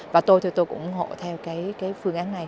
và tôi thì tôi cũng ủng hộ theo cái phương án này